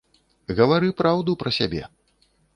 Гавары праўду пра сябе.